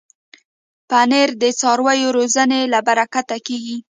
پنېر د څارویو روزنې له برکته کېږي.